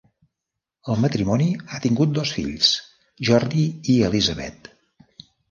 El matrimoni ha tingut dos fills, Jordi i Elisabet.